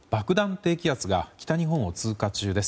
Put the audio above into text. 低気圧が北日本を通過中です。